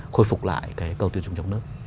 khôi phục lại cái cầu tiêu chống chống nước